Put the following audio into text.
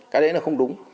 cái đấy là không đúng